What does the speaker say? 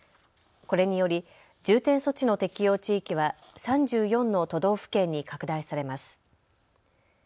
これにより重点措置の適用地域は３４の都道府県に拡大されます。